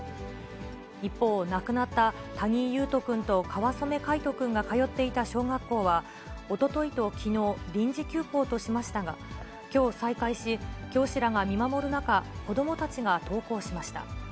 一方、亡くなった谷井勇斗君と川染凱仁君が通っていた小学校は、おとといときのう、臨時休校としましたが、きょう再開し、教師らが見守る中、子どもたちが登校しました。